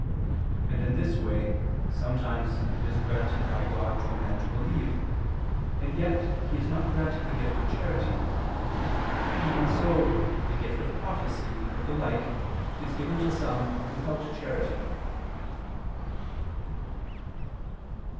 And in this way sometimes it is granted by God to a man to believe, and yet he is not granted the gift of charity: even so the gift of prophecy, or the like, is given to some without charity.